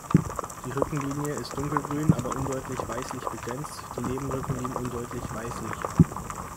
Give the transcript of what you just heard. Die Rückenlinie ist dunkelgrün, aber undeutlich weißlich begrenzt, die Nebenrückenlinien undeutlich weißlich.